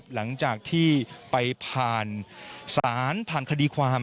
หลังจากที่ไปผ่านศาลผ่านคดีความ